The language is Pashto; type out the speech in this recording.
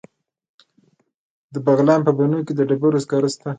د بغلان په بنو کې د ډبرو سکاره شته.